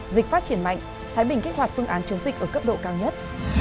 dịch phát triển mạnh thái bình kích hoạt phương án chống dịch ở cấp độ cao nhất